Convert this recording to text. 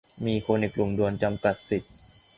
มีคนอีกกลุ่มโดนจำกัดสิทธิ์